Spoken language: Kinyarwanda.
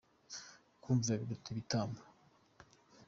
Kumvira biruta ibitambo